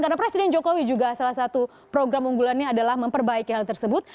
karena presiden jokowi juga salah satu program unggulannya adalah memperbaiki hal tersebut